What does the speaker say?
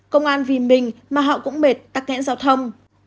công an vì mình mà họ cũng mệt tắc nghẽn giao thông